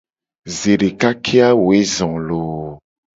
Zedeka ke a woe zo loo.